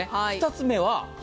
２つ目は。